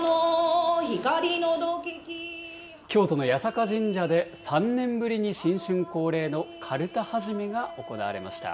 京都の八坂神社で、３年ぶりに新春恒例のかるた始めが行われました。